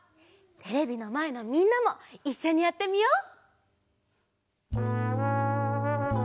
テレビのまえのみんなもいっしょにやってみよう！